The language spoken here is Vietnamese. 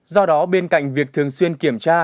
do đó bên cạnh việc thường xuyên kiểm tra